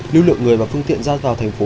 lưu lượng người và phương tiện ra vào thành phố